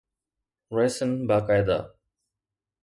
Raisin باقاعده